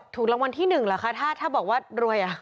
ถูกรางวัลที่๑เหรอคะถ้าบอกว่ารวย